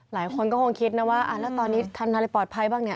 หลายคนก็คงคิดนะว่าแล้วตอนนี้ทำอะไรปลอดภัยบ้างเนี่ย